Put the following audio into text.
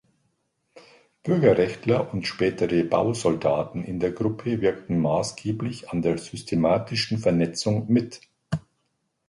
Bürgerrechtler und spätere Bausoldaten in der Gruppe wirkten maßgeblich an der systematischen Vernetzung mit.